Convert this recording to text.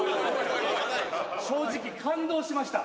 正直感動しました